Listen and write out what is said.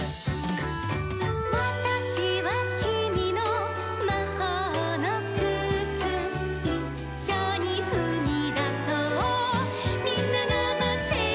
「『わたしはきみのまほうのくつ」「いっしょにふみだそうみんながまってるよ』」